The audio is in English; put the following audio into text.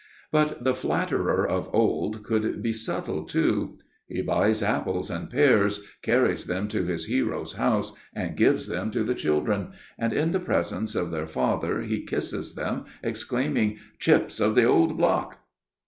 But the flatterer of old could be subtle too. "He buys apples and pears, carries them to his hero's house, and gives them to the children, and in the presence of their father he kisses them, exclaiming: 'Chips of the old block!